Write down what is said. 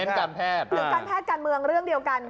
หรือการแพทย์การเมืองเรื่องเดียวกัน